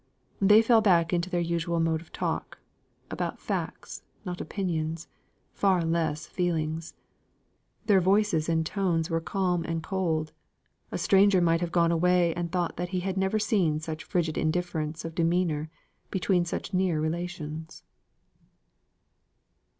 They fell back into their usual mode of talk, about facts, not opinions, far less feelings. Their voices and tones were calm and cold; a stranger might have gone away and thought that he had never seen such frigid indifference of demeanour between such near relations.